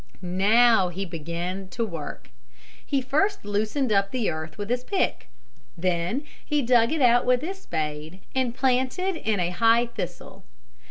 Now he began to work. He first loosened up the earth with his pick, then he dug it out with his spade and planted in a high thistle.